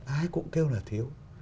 ai cũng kêu là thiếu